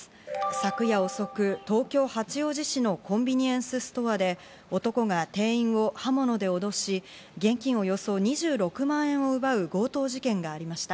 昨夜遅く、東京・八王子市のコンビニエンスストアで男が店員を刃物で脅し、現金およそ２６万円を奪う強盗事件がありました。